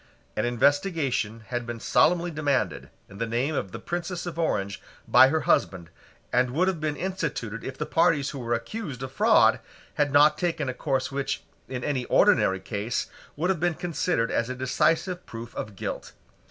An investigation had been solemnly demanded, in the name of the Princess of Orange, by her husband, and would have been instituted if the parties who were accused of fraud had not taken a course which, in any ordinary case, would have been considered as a decisive proof of guilt.